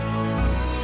sampai jumpa lagi